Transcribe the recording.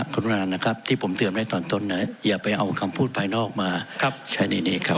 ขออนุญาตนะครับที่ผมเตรียมได้ตอนต้นอย่าไปเอาคำพูดภายนอกมาแค่นี้ครับ